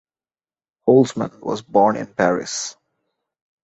Holzman was born in Paris.